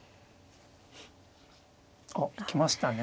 あっ行きましたね。